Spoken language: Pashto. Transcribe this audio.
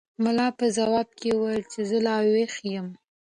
ملا په ځواب کې وویل چې زه لا ویښ یم.